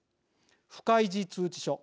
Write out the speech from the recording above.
不開示通知書。